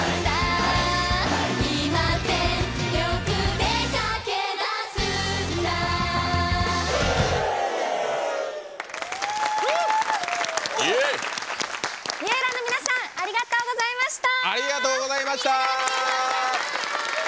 Ｌｉｅｌｌａ！ の皆さんありがとうございました。